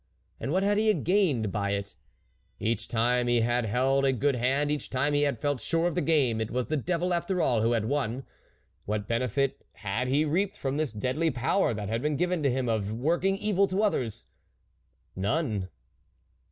And what had he gained by it ? Each time he had held a good hand, each time he had felt sure of the game, it was the devil after all who had won. What benefit had he reaped from this deadly power that had been given him of working evil to others ? None.